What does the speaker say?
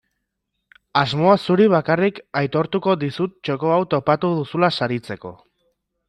Asmoa zuri bakarrik aitortuko dizut txoko hau topatu duzula saritzeko.